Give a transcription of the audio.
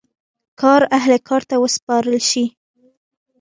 کار اهل کار ته وسپارل شي.